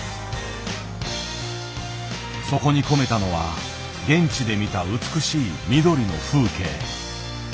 そこに込めたのは現地で見た美しい緑の風景。